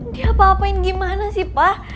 dia apa apain gimana sih pak